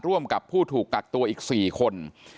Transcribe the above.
ร่วมกับผู้ถูกกักตัวอีก๔คน